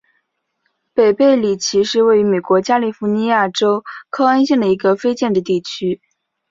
北贝里奇是位于美国加利福尼亚州克恩县的一个非建制地区。